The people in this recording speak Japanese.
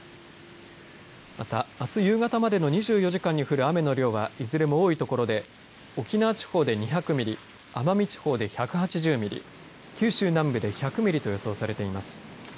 また、あすの夕方までの２４時間に降る雨の量はいずれも多いところで沖縄地方で２００ミリ奄美地方で１８０ミリ九州南部で１００ミリと予想されています。